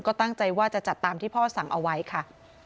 ก็ตั้งใจว่าจะจัดตามที่พ่อสั่งเอาไว้ค่ะ